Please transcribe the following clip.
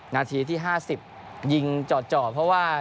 นาทีที่๕๐ยิงจ่อเพราะว่า